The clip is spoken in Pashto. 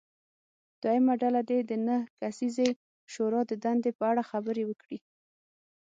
دویمه ډله دې د نهه کسیزې شورا د دندې په اړه خبرې وکړي.